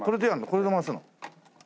これを回すの？